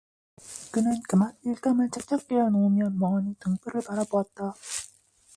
그는 그만 일감을 착착 개어 놓으며 멍하니 등불을 바라보았다.